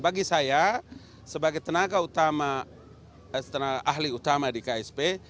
bagi saya sebagai tenaga utama ahli utama di ksp